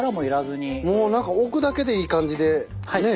もうなんか置くだけでいい感じでねえ。